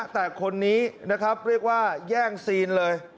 แต่คนนี้นะครับเรียกว่าแย่งซีนเลย